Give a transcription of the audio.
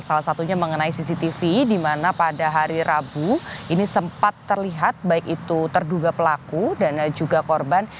salah satunya mengenai cctv di mana pada hari rabu ini sempat terlihat baik itu terduga pelaku dan juga korban